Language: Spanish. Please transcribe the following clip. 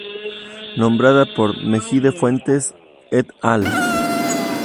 Nombrada por Meijide-Fuentes "et al".